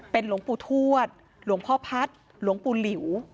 เป็นหลวงปู่ทวดหลวงพ่อพัฒน์หลวงปู่หลิว